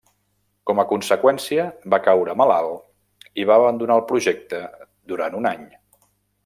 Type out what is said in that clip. Com a conseqüència va caure malalt i va abandonar el projecte durant un any.